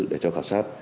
để cho khảo sát